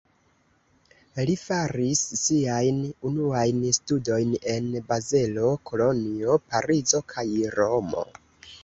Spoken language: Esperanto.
Li faris siajn unuajn studojn en Bazelo, Kolonjo, Parizo kaj Romo.